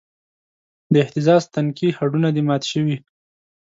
د اهتزاز تنکي هډونه دې مات شوی